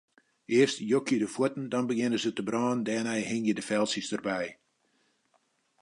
Earst jokje de fuotten, dan begjinne se te brânen, dêrnei hingje de feltsjes derby.